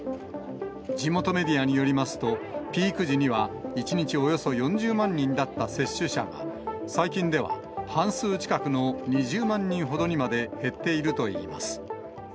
地元メディアによりますと、ピーク時には１日およそ４０万人だった接種者が、最近では半数近くの２０万人ほどにまで減っているといいます。